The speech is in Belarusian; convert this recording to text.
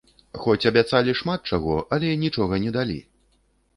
Хоць абяцалі шмат чаго, але нічога не далі.